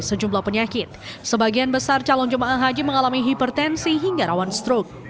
sejumlah penyakit sebagian besar calon jemaah haji mengalami hipertensi hingga rawan strok